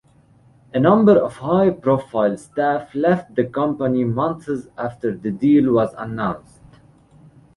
A number of high-profile staff left the company months after the deal was announced.